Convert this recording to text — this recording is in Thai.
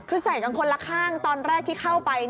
คือใส่กันคนละข้างตอนแรกที่เข้าไป